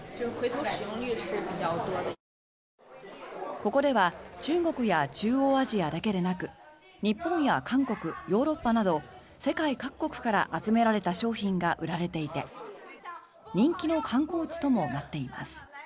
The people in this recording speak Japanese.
ここでは中国や中央アジアだけでなく日本や韓国、ヨーロッパなど世界各国から集められた商品が売られていて人気の観光地ともなっています。